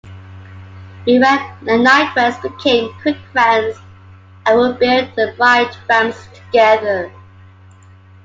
Mirra and Nyquist became quick friends and would build and ride ramps together.